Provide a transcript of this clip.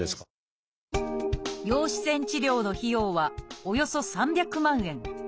陽子線治療の費用はおよそ３００万円。